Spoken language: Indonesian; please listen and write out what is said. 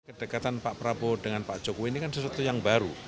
kedekatan pak prabowo dengan pak jokowi ini kan sesuatu yang baru